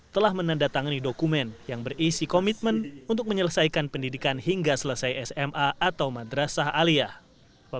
telah menandatangani dokumen yang berisi komitmen untuk menyelesaikan pendidikan hingga selesai sma atau madrasah aliyah